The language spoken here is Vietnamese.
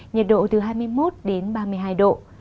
nhiệt độ từ hai mươi một đến ba mươi hai độ